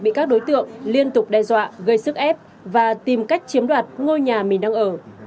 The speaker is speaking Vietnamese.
bị các đối tượng liên tục đe dọa gây sức ép và tìm cách chiếm đoạt ngôi nhà mình đang ở